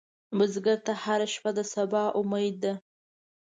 بزګر ته هره شپه د سبا امید ده